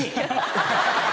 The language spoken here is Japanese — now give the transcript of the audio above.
ハハハハ！